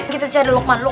kita cari lukman